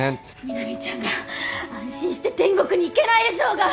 南ちゃんが安心して天国に行けないでしょうが！